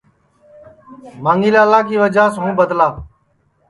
مانگھی لالا کی وجہ سے ہوں بدلا